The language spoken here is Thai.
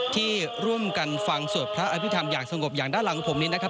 ที่ร่วมกันฟังสวดพระอภิษฐรรมอย่างสงบอย่างด้านหลังของผมนี้นะครับ